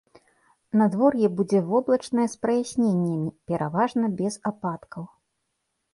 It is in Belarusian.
Надвор'е будзе воблачнае з праясненнямі, пераважна без ападкаў.